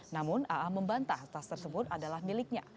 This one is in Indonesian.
namun aa membantah tas tersebut adalah miliknya